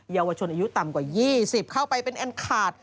เยาวชนอายุต่ำกว่า๒๐เข้าไปเป็นแอนขาด